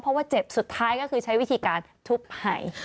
เพราะว่าเจ็บสุดท้ายก็คือใช้วิธีการทุบให้